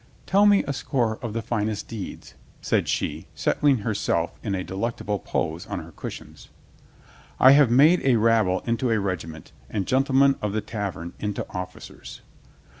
"Tell me a score of the finest deeds," said she, settling herself in a delectable pose on her cushions. "I have made a rabble into a regiment and gen tlemen of the tavern into officers."